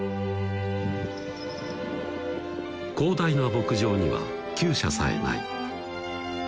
広大な牧場には厩舎さえない